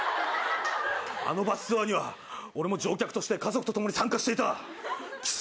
あのバスツアーには僕も乗客として家族とともに参加していた。